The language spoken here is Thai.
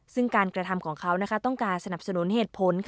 ซึ่งการกระทำของเขาต้องการสนับสนุนเหตุผล